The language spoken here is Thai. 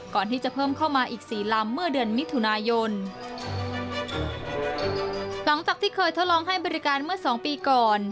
ก่อนที่จะเพิ่มเข้ามาอีกสี่ลำเมื่อเดือนมิถุนายนหลังจากที่เคยทดลองให้บริการเมื่อสองปีก่อน